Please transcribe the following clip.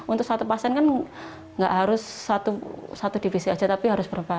untuk satu pasien kan nggak harus satu divisi aja tapi harus berapa